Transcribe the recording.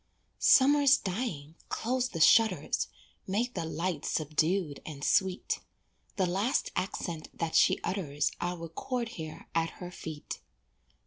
Summer's dying, close the shutters, Make the light subdued and sweet, The last accent that she utters I'll record here at her feet.